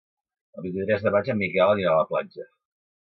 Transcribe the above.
El vint-i-tres de maig en Miquel anirà a la platja.